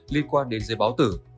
liên quan đến dây báo tử